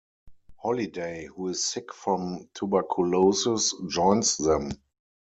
Holliday, who is sick from tuberculosis, joins them.